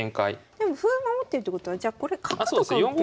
でも歩守ってるってことはじゃこれ角とか打っても。